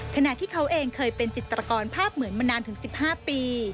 ขณะที่เขาเองเคยเป็นจิตรกรภาพเหมือนมานานถึง๑๕ปี